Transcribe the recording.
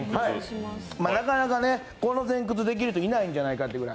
なかなかこの前屈できる人いないんじゃないかってぐらい。